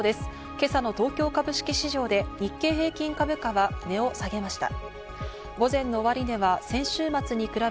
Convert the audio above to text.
今朝の東京株式市場で日経平均株価は値を下げました。